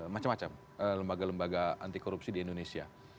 macam macam lembaga lembaga anti korupsi di indonesia